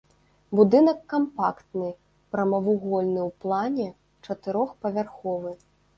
Будынак кампактны, прамавугольны ў плане, чатырохпавярховы.